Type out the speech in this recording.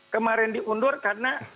kemarin diundur karena